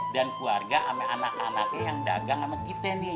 dan keluarga sama anak anaknya yang dagang sama kita nih